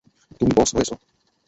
তুমি বস হয়েছ।